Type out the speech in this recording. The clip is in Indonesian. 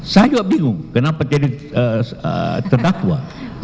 saya juga bingung kenapa jadi terdakwa